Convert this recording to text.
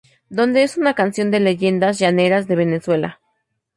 Donde es una canción de leyendas llaneras de Venezuela.